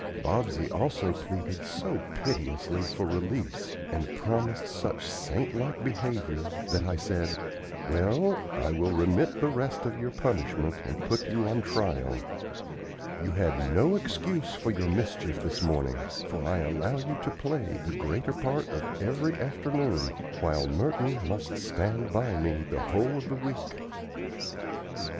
Bobsey also pleaded so piteously for release, and promised such saint like behavior, that I said: "Well, I will remit the rest of your punishment and put you on trial. You had no excuse for your mischief this morning, for I allow you to play the greater part of every afternoon, while Merton must stand by me the whole of the week."